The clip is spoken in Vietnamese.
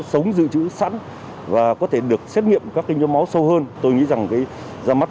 sống dự trữ sẵn và có thể được xét nghiệm các kinh doanh máu sâu hơn tôi nghĩ rằng cái ra mắt